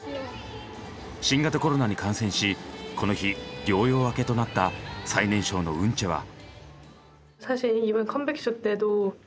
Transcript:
新型コロナに感染しこの日療養明けとなった最年少のウンチェは。